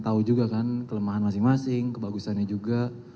tahu juga kan kelemahan masing masing kebagusannya juga